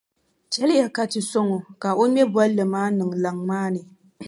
Chɛliya ka ti sɔŋ o ka o ŋme bolli maa niŋ laŋ maa ni.